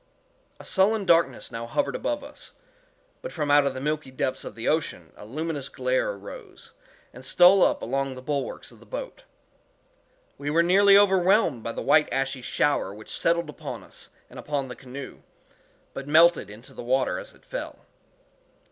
_ A sullen darkness now hovered above us—but from out the milky depths of the ocean a luminous glare arose, and stole up along the bulwarks of the boat. We were nearly overwhelmed by the white ashy shower which settled upon us and upon the canoe, but melted into the water as it fell.